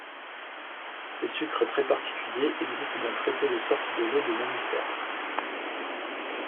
Ces sucres très particuliers existent dans très peu de sortes de laits de mammifères.